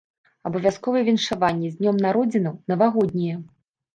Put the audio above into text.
Абавязковыя віншаванні з днём народзінаў, навагоднія.